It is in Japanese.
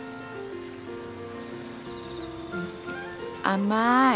甘い！